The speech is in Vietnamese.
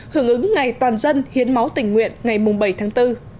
hưởng ứng ngày toàn dân hiến máu tình nguyện ngày bảy tháng bốn